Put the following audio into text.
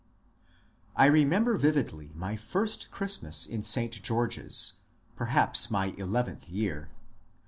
I remember vividly my first Christmas in St George's (per haps my eleventh year).